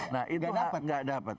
nah itu gak dapat